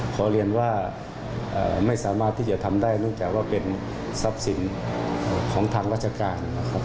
ขอเรียนว่าไม่สามารถที่จะทำได้เนื่องจากว่าเป็นทรัพย์สินของทางราชการนะครับ